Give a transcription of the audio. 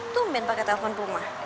tumben pake telepon rumah